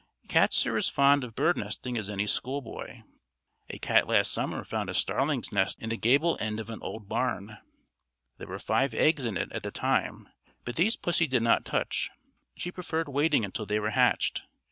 Cats are as fond of bird nesting as any school boy. A cat last summer found a starling's nest in the gable end of an old barn. There were five eggs in it at the time, but these pussy did not touch, she preferred waiting until they were hatched.